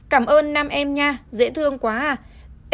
cảm ơn nam em nha dễ thương quá à